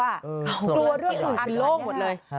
กลัวเรื่องอันโลกหมดเลย